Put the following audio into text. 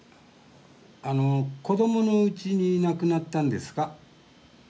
子どものうちに亡くなったんですか？